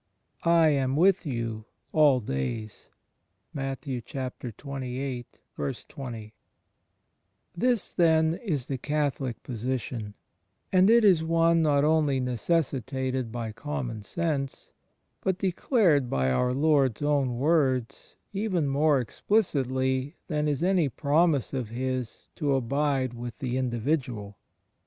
I am with you all days." • This, then, is the Catholic position; and it is one not only necessitated by common sense, but declared by our Lord's own words even more explicitly than is any promise of His to "abide" with the individual.